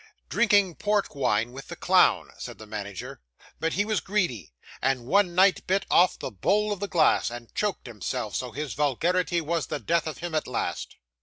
'Drinking port wine with the clown,' said the manager; 'but he was greedy, and one night bit off the bowl of the glass, and choked himself, so his vulgarity was the death of him at last.